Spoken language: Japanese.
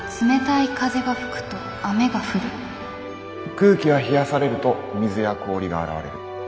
空気は冷やされると水や氷が現れる。